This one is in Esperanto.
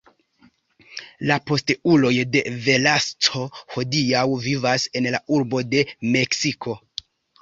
La posteuloj de Velasco hodiaŭ vivas en la urbo de Meksiko.